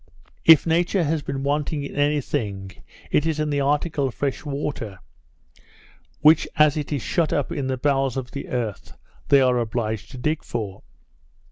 If nature has been wanting in any thing, it is in the article of fresh water, which as it is shut up in the bowels of the earth, they are obliged to dig for.